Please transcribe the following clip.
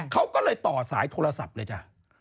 เขาก็เลยต่อสายโทรศัพท์เลยจ้ะ